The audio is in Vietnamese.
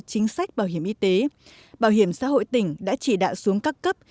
các bộ chính sách bảo hiểm y tế bảo hiểm xã hội tỉnh đã chỉ đạo xuống các cấp